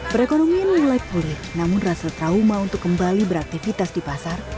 perekonomian mulai pulih namun rasa trauma untuk kembali beraktivitas di pasar